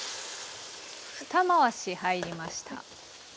ふた回し入りました。